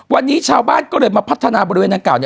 วันนี้ชาวบ้านก็เลยมาพัฒนาบริเวณดังกล่าว